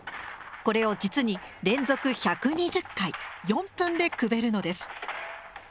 これを実に連続１２０回４分でくべるのです。